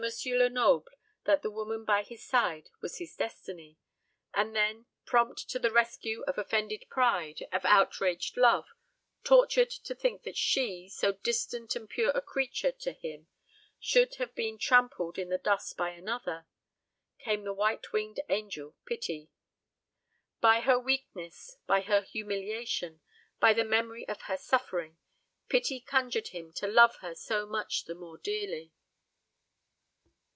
Lenoble that the woman by his side was his destiny; and then, prompt to the rescue of offended pride, of outraged love tortured to think that she, so distant and pure a creature to him, should have been trampled in the dust by another came the white winged angel Pity. By her weakness, by her humiliation, by the memory of her suffering, Pity conjured him to love her so much the more dearly.